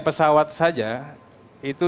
pesawat saja itu